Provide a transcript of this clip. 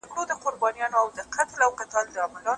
چي پیدا دي پسرلی کی نو خزان ولي راځي